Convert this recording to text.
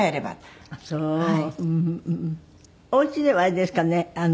お家ではあれですかね。